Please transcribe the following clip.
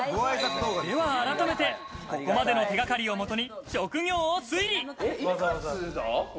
では改めて、ここまでの手掛かりをもとに職業を推理。